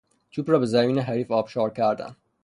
توپ را به زمین حریف آبشار زد.